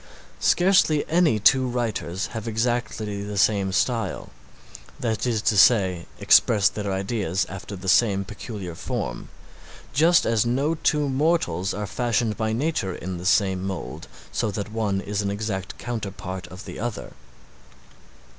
Scarcely any two writers have exactly the same style, that is to say, express their ideas after the same peculiar form, just as no two mortals are fashioned by nature in the same mould, so that one is an exact counterpart of the other.